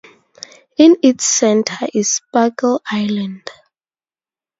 In its center is Sparkle Island.